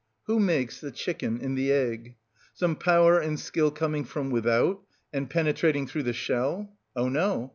Who makes the chicken in the egg? Some power and skill coming from without, and penetrating through the shell? Oh no!